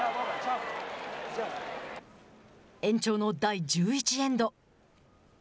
延長の第１１エンド。